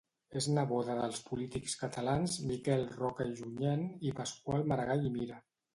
És neboda dels polítics catalans Miquel Roca i Junyent i Pasqual Maragall i Mira.